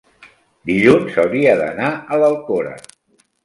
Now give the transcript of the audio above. Dilluns hauria d'anar a l'Alcora.